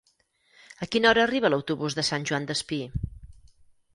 A quina hora arriba l'autobús de Sant Joan Despí?